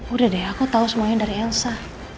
udah deh aku tahu semuanya dari elsa